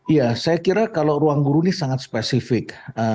ya saya kira kalau ruangguru ini sangat spesifik